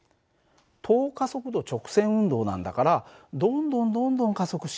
等加速度直線運動なんだからどんどんどんどん加速していくんだよ。